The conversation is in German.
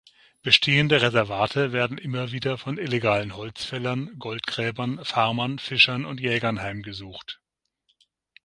Bestehende Reservate werden immer wieder von illegalen Holzfällern, Goldgräbern, Farmern, Fischern und Jägern heimgesucht.